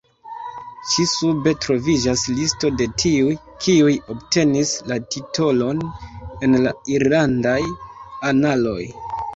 Ĉi-sube troviĝas listo de tiuj, kiuj obtenis la titolon en la irlandaj analoj.